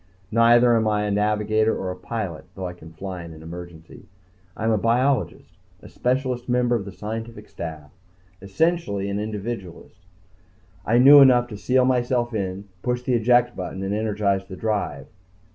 Neither am I a navigator or a pilot, although I can fly in an emergency. I am a biologist, a specialist member of the scientific staff essentially an individualist. I knew enough to seal myself in, push the eject button and energize the drive.